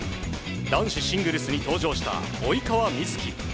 男子シングルスに登場した及川瑞基。